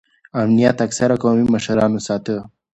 امنیت اکثره قومي مشرانو ساته.